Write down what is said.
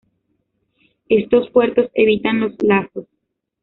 Estos puertos evitan los lazos.